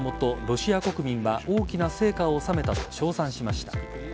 ロシア国民は大きな成果を収めたと称賛しました。